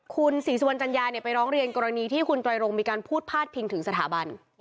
คุณศรีสุวรรณจัญญาไปร้องเรียนกรณีที่คุณไตรรงมีการพูดพาดพิงถึงสถาบัน